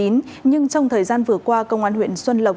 nhưng trong thời gian vừa qua công an huyện xuân lộc